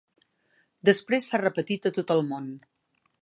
Després s'ha repetit a tot el món.